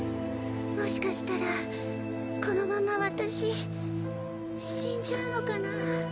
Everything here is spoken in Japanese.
もしかしたらこのまま私死んじゃうのかな？